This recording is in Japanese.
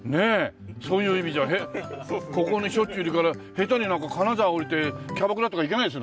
そういう意味じゃここにしょっちゅういるから下手に金沢へ下りてキャバクラとか行けないですね。